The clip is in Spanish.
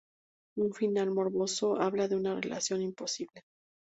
Un final morboso habla de una relación imposible.